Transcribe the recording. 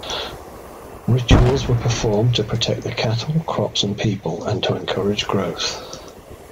Rituals were performed to protect the cattle, crops and people, and to encourage growth.